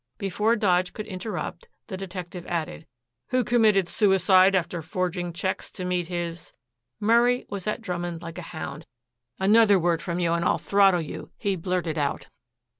Before Dodge could interrupt, the detective added, "Who committed suicide after forging checks to meet his " Murray was at Drummond like a hound. "Another word from you and I'll throttle you," he blurted out.